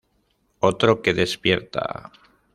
Otro Que Despierta...